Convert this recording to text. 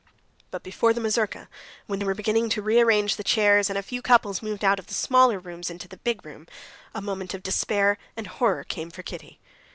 But before the mazurka, when they were beginning to rearrange the chairs and a few couples moved out of the smaller rooms into the big room, a moment of despair and horror came for Kitty.